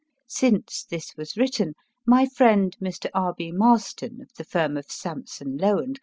Since this was written, my friend, Mr. R. B. Marston, of the firm of Sampson Low & Co.